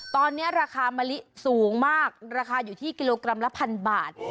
ตอนนี้ราคามะลิสูงมากราคาอยู่ที่กิโลกรัมละพันบาท